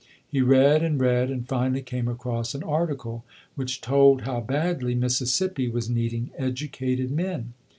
He read and read and finally came across an article which told how badly Mississippi was needing educated men.